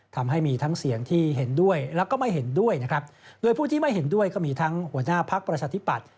ทำให้มีทั้งเสียงที่เห็นด้วยแล้วก็ไม่เห็นด้วยนะครับโดยผู้ที่ไม่เห็นด้วยก็มีทั้งหัวหน้าพักประชาธิปัตย